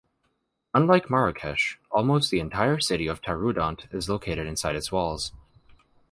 Unlike Marrakesh, almost the entire city of Taroudant is located inside its walls.